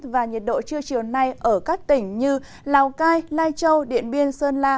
và nhiệt độ trưa chiều nay ở các tỉnh như lào cai lai châu điện biên sơn la